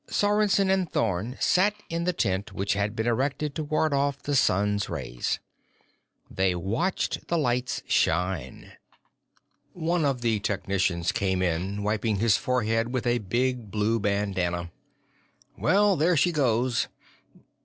Sorensen and Thorn sat in the tent which had been erected to ward off the sun's rays. They watched the lights shine. One of the technicians came in, wiping his forehead with a big blue bandana. "Well, there she goes.